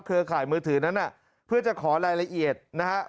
เครือข่ายมือถือนั้นเพื่อจะขอรายละเอียดนะครับ